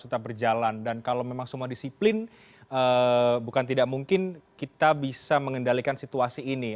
tetap berjalan dan kalau memang semua disiplin bukan tidak mungkin kita bisa mengendalikan situasi ini